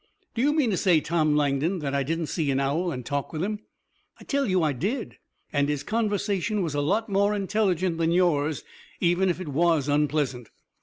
"Do you mean to say, Tom Langdon, that I didn't see an owl and talk with him? I tell you I did, and his conversation was a lot more intelligent than yours, even if it was unpleasant."